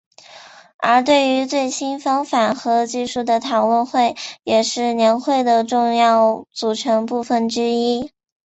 而对于最新方法和技术的讨论会也是年会的重要组成部分之一。